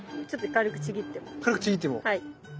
軽くちぎっても。